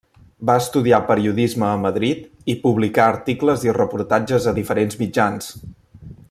Va estudiar periodisme a Madrid, i publicà articles i reportatges a diferents mitjans.